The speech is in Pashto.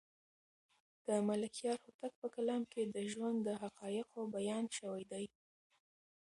د ملکیار هوتک په کلام کې د ژوند د حقایقو بیان شوی دی.